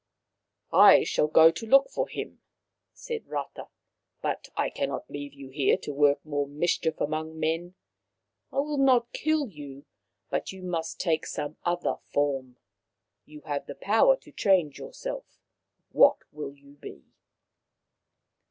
" I shall go to look for him," said Rata ;" but I cannot leave you here to work more mischief among men. I will not kill you, but you must take some other form. You have the power to change yourself. What will you be